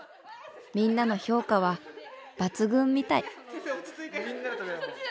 みんなの評価は抜群みたい。